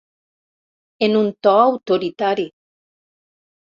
En un to autoritari.